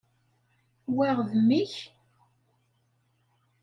Wa, d mmi-k?